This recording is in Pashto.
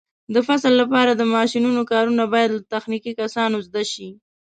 د فصل لپاره د ماشینونو کارونه باید له تخنیکي کسانو زده شي.